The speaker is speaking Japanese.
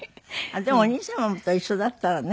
でもお兄様と一緒だったらね。